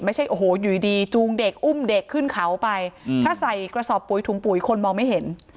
ไม่ใช่โอ้โหอยู่ดีจูงเด็กอุ้มเด็กขึ้นเขาไปถ้าใส่กระสอบปุ๋ยถุงปุ๋ยคนมองไม่เห็น